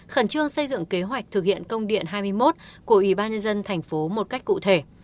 khẩn trương xây dựng kế hoạch thực hiện công điện hai mươi một của ủy ban nhân dân thành phố một cách cụ thể